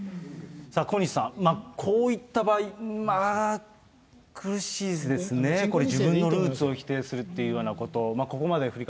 小西さん、こういった場合、苦しいですね、自分のルーツを否定するようなこと。